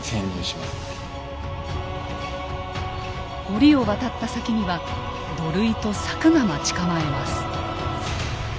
堀を渡った先には土塁と柵が待ち構えます。